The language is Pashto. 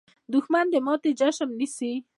دښمن د ماتې جشن نیسي